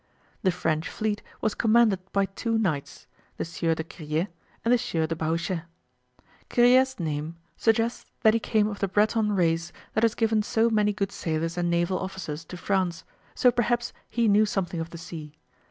The French fleet was commanded by two knights, the Sieur de Kiriet and the Sieur de Bahuchet. Kiriet's name suggests that he came of the Breton race that has given so many good sailors and naval officers to France, so perhaps he knew something of the sea.